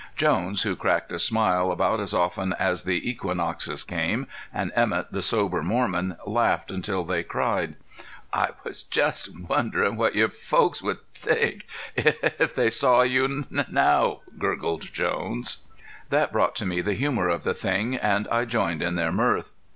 Jones, who cracked a smile about as often as the equinoxes came, and Emett the sober Mormon, laughed until they cried. "I was just wondering what your folks would think if they saw you now," gurgled Jones. That brought to me the humor of the thing, and I joined in their mirth.